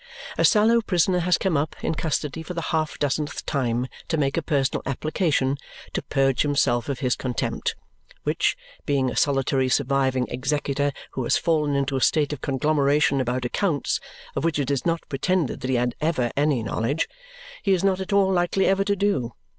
A sallow prisoner has come up, in custody, for the half dozenth time to make a personal application "to purge himself of his contempt," which, being a solitary surviving executor who has fallen into a state of conglomeration about accounts of which it is not pretended that he had ever any knowledge, he is not at all likely ever to do.